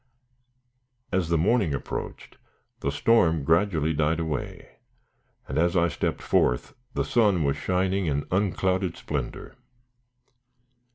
As the morning approached, the storm gradually died away, and as I stepped forth the sun was shining in unclouded splendor.